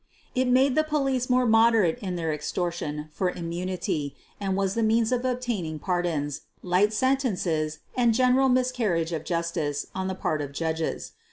It made the police more moderate in their extortion for im munity, and was the means of obtaining pardons, light sentences, and general miscarriage of justice on the part of judges.